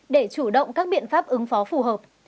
để chủ động các biện pháp ứng phó phù hợp